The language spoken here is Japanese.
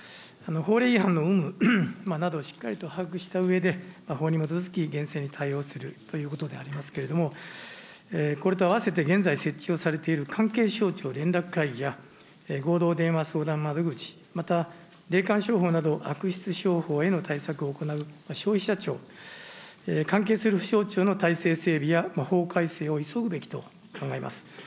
法令違反の有無などしっかりと把握したうえで、法に基づき、厳正に対応するということでありますけれども、これと合わせて現在、設置をされている関係省庁連絡会議や合同電話相談窓口、また霊感商法など悪質商法への対策を行う消費者庁、関係する府省庁の体制整備や法改正を急ぐべきと考えます。